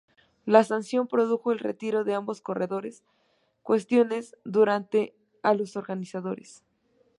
La sanción produjo el retiro de ambos corredores, cuestionando duramente a los organizadores.